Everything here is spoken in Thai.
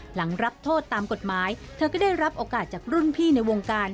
หลังรับโทษตามกฎหมายเธอก็ได้รับโอกาสจากรุ่นพี่ในวงการ